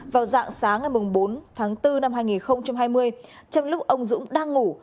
vào dạng sáng ngày bốn tháng bốn năm hai nghìn hai mươi trong lúc ông dũng đang ngủ